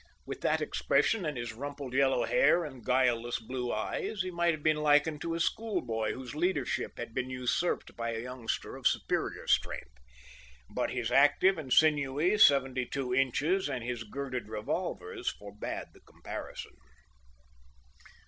With that expression, and his rumpled yellow hair and guileless blue eyes, he might have been likened to a schoolboy whose leadership had been usurped by a youngster of superior strength. But his active and sinewy seventy two inches, and his girded revolvers forbade the comparison.